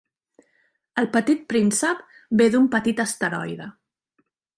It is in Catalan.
El Petit Príncep ve d'un petit asteroide.